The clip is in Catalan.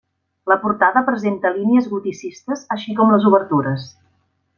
La portada presenta línies goticistes així com les obertures.